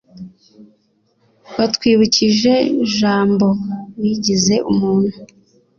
watwibukije jambo wigize umuntu